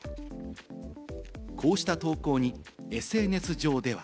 こうした投稿にＳＮＳ上では。